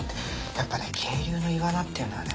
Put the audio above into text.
やっぱね渓流のイワナっていうのはね